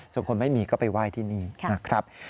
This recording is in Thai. ส่วนคนไม่มีก็ไปไหว้ที่นี่นะครับ